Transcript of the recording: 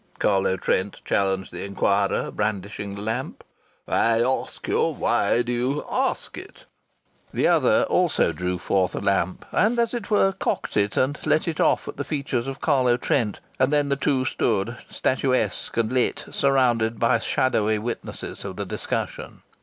Carlo Trent challenged the inquirer, brandishing the lamp. "I ask you why do you ask it?" The other also drew forth a lamp and, as it were, cocked it and let it off at the features of Carlo Trent. And thus the two stood, statuesque and lit, surrounded by shadowy witnessers of the discussion.